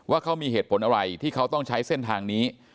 ว่าเขามีเหตุผลอะไรที่เขาต้องใช้เส้นทางนี้